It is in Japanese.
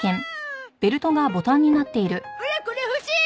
オラこれ欲しい！